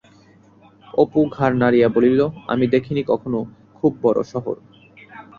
অপু ঘাড় নাড়িয়া বলিল, আমি দেখিনি কখনো— খুব বড় শহর?